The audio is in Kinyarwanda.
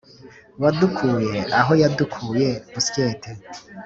wadukuye aho yadukuye busyete